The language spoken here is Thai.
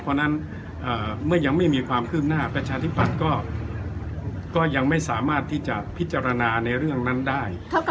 เพราะฉะนั้นเมื่อยังไม่มีความคืบหน้าประชาธิปัตย์ก็ยังไม่สามารถที่จะพิจารณาในเรื่องนั้นได้